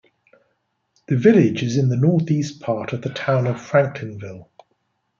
The village is in the northeast part of the town of Franklinville.